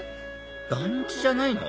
団地じゃないの？